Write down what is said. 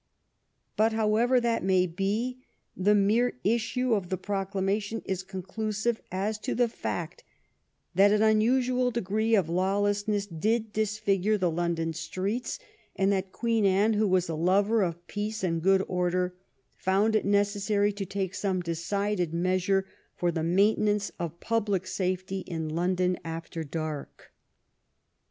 But however that may be, the mere issue of the proclamation is conclusive as to the fact that an unusual degree of law lessness did disfigure the London streets, and that Queen Anne, who was a lover of peace and good order, felt it necessary to take some decided measure for the maintenance of public safety in L<)ndon after dark.